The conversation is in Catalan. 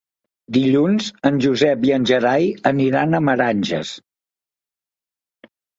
Dilluns en Josep i en Gerai iran a Meranges.